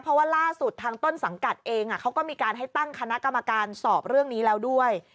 เพราะว่าล่าสุดทางต้นสังกัดเองเขาก็มีการให้ตั้งคณะกรรมการสอบเรื่องนี้แล้วด้วย